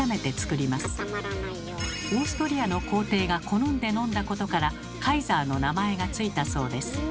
オーストリアの皇帝が好んで飲んだことから「カイザー」の名前が付いたそうです。